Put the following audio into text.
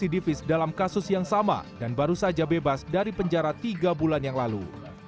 didivis dalam kasus yang sama dan baru saja bebas dari penjara tiga bulan yang lalu